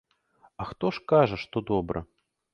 А хто ж кажа, што добра?